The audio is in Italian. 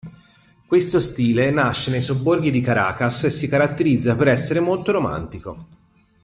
Questo stile nasce nei sobborghi di Caracas e si caratterizza per essere molto romantico.